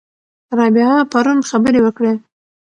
رابعه پرون خبرې وکړې.